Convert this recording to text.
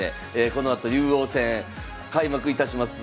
このあと竜王戦開幕いたします。